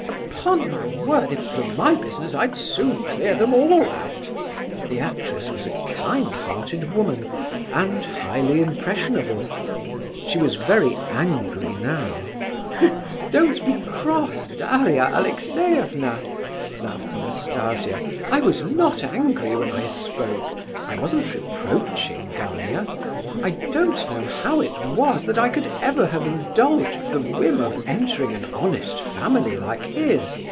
Upon my word, if it were my business, I'd soon clear them all out!" The actress was a kind hearted woman, and highly impressionable. She was very angry now. "Don't be cross, Daria Alexeyevna!" laughed Nastasia. "I was not angry when I spoke; I wasn't reproaching Gania. I don't know how it was that I ever could have indulged the whim of entering an honest family like his.